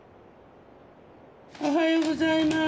おはようございます。